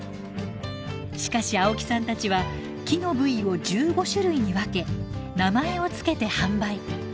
しかし青木さんたちは木の部位を１５種類に分け名前を付けて販売。